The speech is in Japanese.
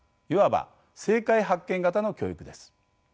いわば「正解発見型」の教育です。